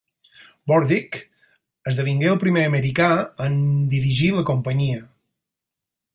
Burdick esdevingué el primer americà en dirigir la companyia.